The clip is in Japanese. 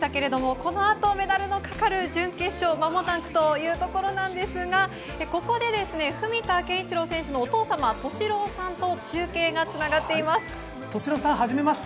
このあとメダルがかかる準決勝、間もなくというところですが、ここで文田健一郎選手のお父様、敏郎さんと中継がつながっていま敏郎さん、はじめまして。